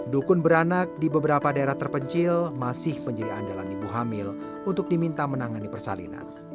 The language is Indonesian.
dukun beranak di beberapa daerah terpencil masih menjadi andalan ibu hamil untuk diminta menangani persalinan